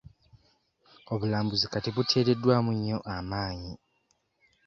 Obulambuzi kati buteereddwamu nnyo amaanyi.